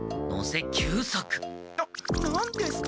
な何ですか？